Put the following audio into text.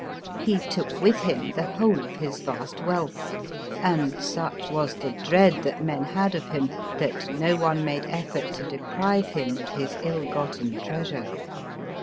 He took with him the whole of his vast wealth, and, such i 4 o Appendix was the dread that men had of him, that no one made effort to deprive him of his ill gotten treasure.